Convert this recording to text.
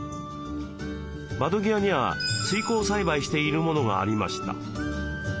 窓際には水耕栽培しているものがありました。